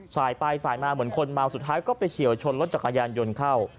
สายไปสายมาเหมือนคนเมาสุดท้ายก็ไปเฉียวชนรถจักรยานยนต์เข้า